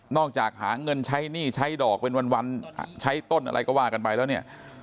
จากหาเงินใช้หนี้ใช้ดอกเป็นวันใช้ต้นอะไรก็ว่ากันไปแล้วเนี่ย